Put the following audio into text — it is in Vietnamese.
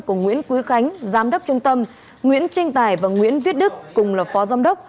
của nguyễn quý khánh giám đốc trung tâm nguyễn trinh tài và nguyễn viết đức cùng là phó giám đốc